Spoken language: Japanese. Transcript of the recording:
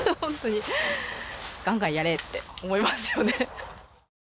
ガンガンやれって思いますよね。